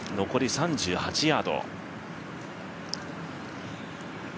残り３８ヤード。